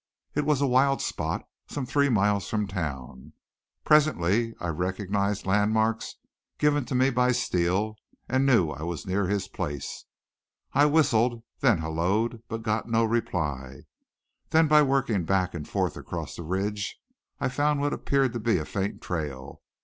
It was a wild spot, some three miles from town. Presently I recognized landmarks given to me by Steele and knew I was near his place. I whistled, then halloed, but got no reply. Then by working back and forth across the ridge I found what appeared to be a faint trail.